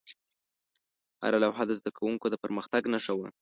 هره لوحه د زده کوونکو د پرمختګ نښه وه.